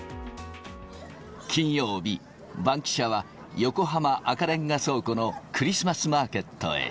金曜日、バンキシャは横浜赤レンガ倉庫のクリスマスマーケットへ。